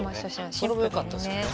それもよかったですよね。